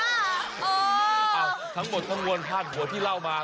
เอาทั้งหมดทางวงภาพโถ่ที่เล่ามา